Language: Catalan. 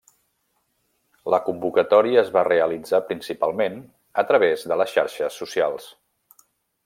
La convocatòria es va realitzar principalment a través de les xarxes socials.